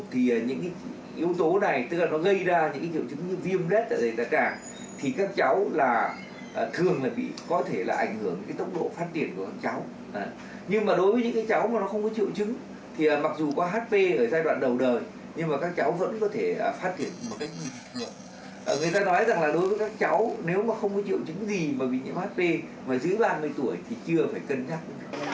đối với các cháu nếu không có triệu chứng gì mà bị nhiễm hp và giữ ba mươi tuổi thì chưa phải cân nhắc